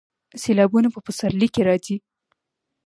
سیلابونه په پسرلي کې راځي